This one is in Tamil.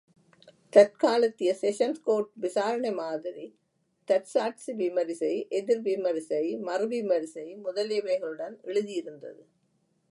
தற்காலத்திய செஷன்ஸ் கோர்ட்டு விசாரணை மாதிரி தற்சாட்சி விமரிசை, எதிர் விமரிசை, மறு விமரிசை முதலியவைகளுடன் எழுதியிருந்தது!